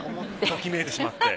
ときめいてしまって。